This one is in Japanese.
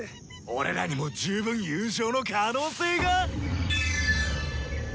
俺らにも十分優勝の可能性が。